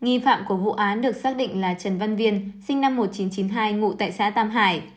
nghi phạm của vụ án được xác định là trần văn viên sinh năm một nghìn chín trăm chín mươi hai ngụ tại xã tam hải